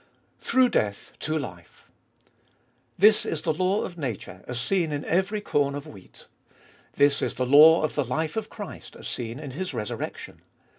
2. Through death to life. This is the law of nature, as seen in every corn of wheat. This is the law of the life of Christ, as seen in His resurrection.